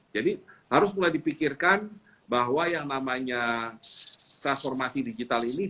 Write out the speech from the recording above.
jadi harus mulai dipikirkan bahwa yang namanya transformasi digital ini